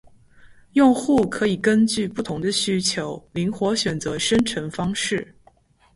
用户可以根据不同的需求灵活选择生成方式